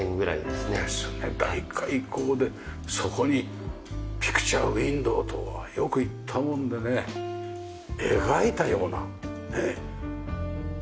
大開口でそこにピクチャーウィンドーとはよく言ったもんでね描いたようなねえ。